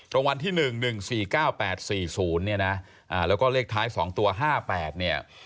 รางวัลที่๑๑๔๙๘๔๐เนี่ยนะแล้วก็เลขท้าย๒ตัว๕๘เนี่ย